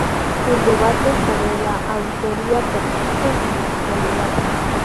El debate sobre la autoría persiste en la actualidad.